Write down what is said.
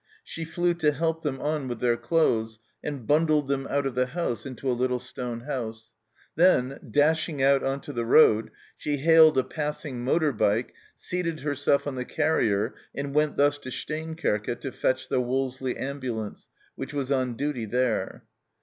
She flew to help them on with their clothes, and bundled them out of the house into a little stone house ; then, dashing out on to the road, she hailed a passing motor bike, seated herself on the carrier, and went thus to Steenkerke to fetch the Wolseley ambulance, which was on duty there.